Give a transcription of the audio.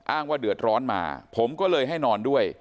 ว่าเดือดร้อนมาผมก็เลยให้นอนด้วย